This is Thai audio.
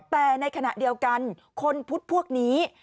แต่ในขณะเดียวกันคนพุทธพวกนี้